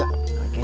siapa sih bok